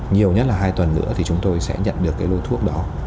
nhiều nhất là hai tuần nữa thì chúng tôi sẽ nhận được cái lô thuốc đó